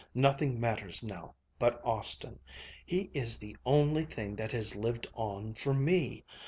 Nothing matters now but Austin. He is the only thing that has lived on for me.